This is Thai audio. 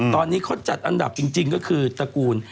ตอนนี้เขาจัดอันดับจริงก็คือตระกูล